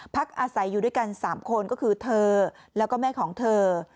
พักอาศัยอยู่ด้วยกัน๓คนก็คือเธอแล้วก็แม่ของเธอ